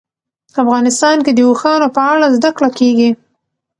افغانستان کې د اوښانو په اړه زده کړه کېږي.